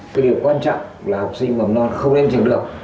cái điều quan trọng là học sinh mầm non không nên trường được